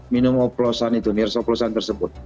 minum operosan itu nirsa operosan tersebut